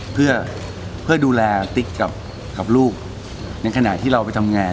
เพื่อดูแลติ๊กกับลูกในขณะที่เราไปทำงาน